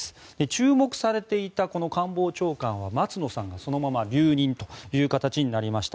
注目されていた官房長官は松野さんがそのまま留任という形になりました。